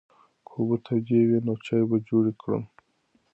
که اوبه تودې وي نو چای به جوړ کړم.